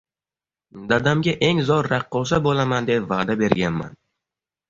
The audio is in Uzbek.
Dadamga eng zo`r raqqosa bo`laman deb va`da berganman